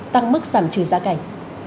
tăng mức giảm trừ giá cảnh